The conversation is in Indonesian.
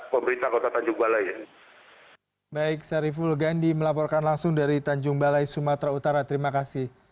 pihak pemerintah kota tanjung balai